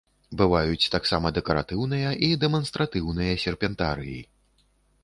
Бываюць таксама дэкаратыўныя і дэманстратыўныя серпентарыі.